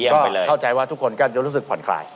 เข้าใจว่าทุกคนก็จะรู้สึกผ่อนคลาย